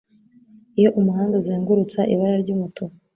Iyo umuhanda uzengurutsa ibara ry'umutuku,